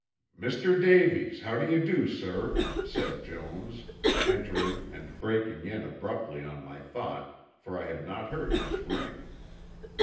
"Mr. Davies, how do you do, sir," said Jones, entering and breaking in abruptly on my thought, for I had not heard his ring.